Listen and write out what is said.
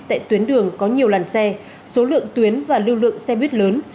tại tuyến đường có nhiều làn xe số lượng tuyến và lưu lượng xe buýt lớn